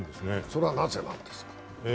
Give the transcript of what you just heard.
それはなぜなんですか？